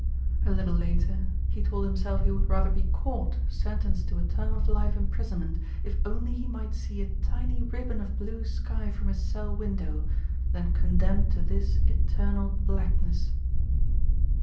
A little later he told himself he would rather be caught, sentenced to a term of life imprisonment if only he might see a tiny ribbon of blue sky from his cell window, than condemned to this eternal blackness.